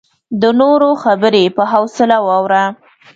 د نورو خبرې په حوصله واوره.